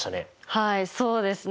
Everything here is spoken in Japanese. はいそうですね。